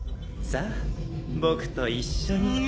さあ僕と一緒に。